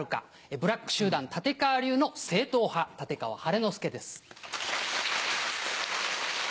ブラック集団立川流の正統派立川晴の輔です。